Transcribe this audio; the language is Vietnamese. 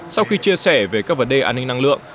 sau khi chia sẻ về các vấn đề an ninh năng lượng